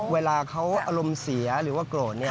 เวลาเขาอารมณ์เสียหรือว่าโกรธ